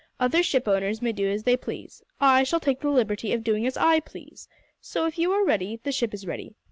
Other ship owners may do as they please. I shall take the liberty of doing as I please. So, if you are ready, the ship is ready.